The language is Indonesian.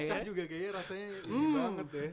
mas pecah juga kayaknya rasanya